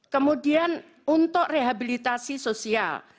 kemudian untuk rehabilitasi sosial